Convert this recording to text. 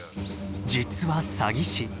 実は詐欺師。